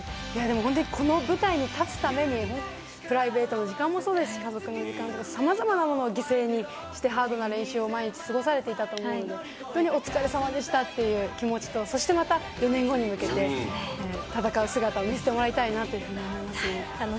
この舞台に立つためにプライベートな時間もそうですし、家族といる時間もそうですし、さまざまな時間を犠牲にしてハードに過ごされていたと思うので、本当にお疲れ様でしたという気持ちと、そしてまた４年後に向けて戦う姿を見せてもらいたいなというふうに思いますね。